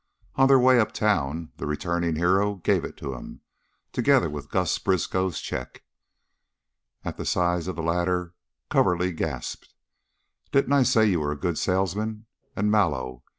On their way uptown, the returning hero gave it to him, together with Gus Briskow's check. At the size of the latter Coverly gasped. "Didn't I say you were a good salesman? And Mallow!